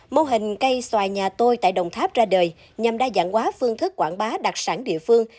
mô hình cây xoài nhà tôi tại đồng tháp ra đời nhằm đa dạng hóa phương thức quảng bá đặc sản địa phương